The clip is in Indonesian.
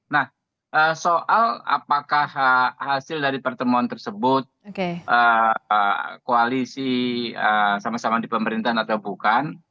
nah soal apakah hasil dari pertemuan tersebut koalisi sama sama di pemerintahan atau bukan